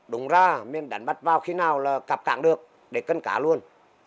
đúng ra nên đánh bắt vào khi nào là cặp cảng được để cân cá luôn